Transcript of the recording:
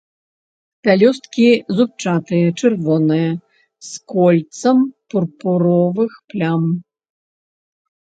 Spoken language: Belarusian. Пялёсткі зубчастыя, чырвоныя, з кольцам пурпуровых плям.